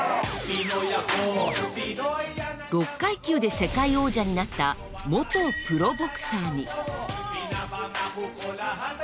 ６階級で世界王者になった元プロボクサーに。